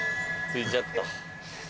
着いちゃった。